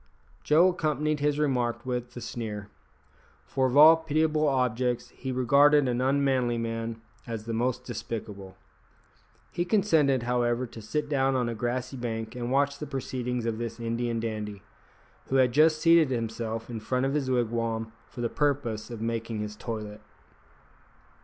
Joe accompanied his remark with a sneer, for of all pitiable objects he regarded an unmanly man as the most despicable. He consented, however, to sit down on a grassy bank and watch the proceedings of this Indian dandy, who had just seated himself in front of his wigwam for the purpose of making his toilet.